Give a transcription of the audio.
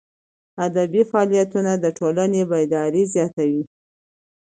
ادبي فعالیتونه د ټولني بیداري زیاتوي.